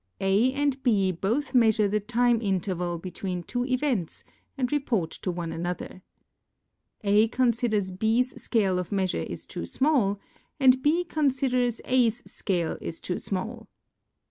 A and B both measure the time interval between two events and report to one another. A considers B's scale of measure is too small and B considers A's scale is too small.